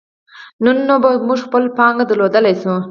نو نن به موږ خپله پانګه درلودلای شو.